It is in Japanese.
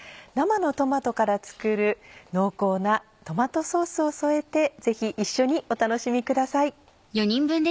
生のトマトから作る濃厚なトマトソースを添えてぜひ一緒にお楽しみください。